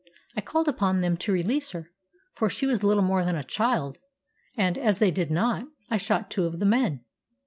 I called upon them to release her, for she was little more than a child; and, as they did not, I shot two of the men.